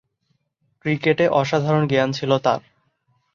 Cricket অসাধারণ জ্ঞান ছিল তার।